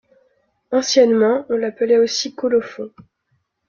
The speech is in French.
Anciennement, on l’appelait aussi colophon.